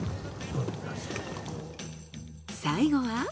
最後は。